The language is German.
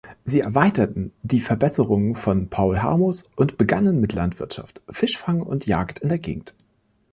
Sie erweiterten die Verbesserungen von Paulhamus und begannen mit Landwirtschaft, Fischfang und Jagd in der Gegend.